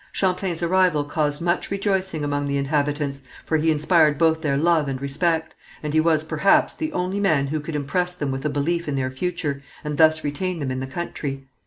Champlain's arrival caused much rejoicing among the inhabitants, for he inspired both their love and respect, and he was, perhaps, the only man who could impress them with a belief in their future, and thus retain them in the country.